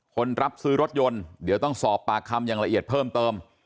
รับซื้อรถยนต์เดี๋ยวต้องสอบปากคำอย่างละเอียดเพิ่มเติม